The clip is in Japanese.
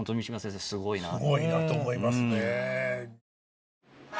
すごいなと思いますね。